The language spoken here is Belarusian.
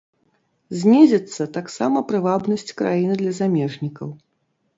Знізіцца таксама прывабнасць краіны для замежнікаў.